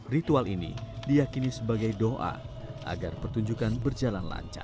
ritual ini diakini sebagai doa agar pertunjukan berjalan lancar